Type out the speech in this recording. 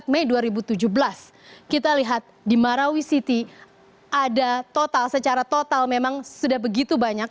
empat mei dua ribu tujuh belas kita lihat di marawi city ada total secara total memang sudah begitu banyak